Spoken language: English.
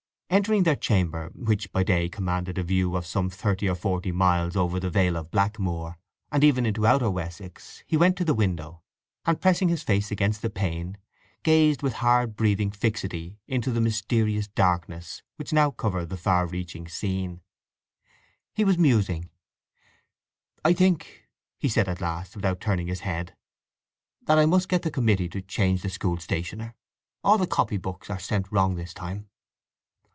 Entering their chamber, which by day commanded a view of some thirty or forty miles over the Vale of Blackmoor, and even into Outer Wessex, he went to the window, and, pressing his face against the pane, gazed with hard breathing fixity into the mysterious darkness which now covered the far reaching scene. He was musing, "I think," he said at last, without turning his head, "that I must get the committee to change the school stationer. All the copybooks are sent wrong this time."